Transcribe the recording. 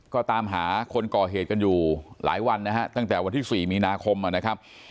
ก็ตามหาคนก่อเหตุกันอยู่หลายวันนะฮะตั้งแต่วันที่๔มีนาคมนะครับ